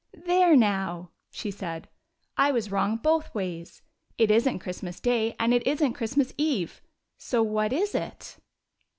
" There, now!" she said, "I was wrong both ways. It is n't Christmas day, and it is n't Christ mas eve! So what is it?"